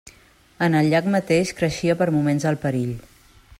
En el llac mateix creixia per moments el perill.